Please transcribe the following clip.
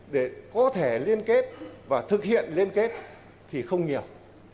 để có thể liên kết và thực hiện liên kết thì không nhiều